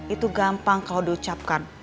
itu gampang kalau diucapkan